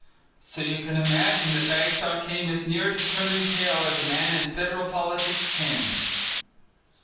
So you can imagine that Bagshaw came as near to turning pale as a man in federal politics can.